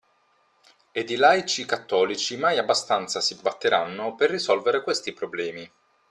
ed i laici cattolici mai abbastanza si batteranno per risolvere questi problemi.